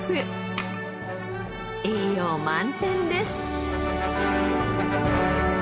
栄養満点です。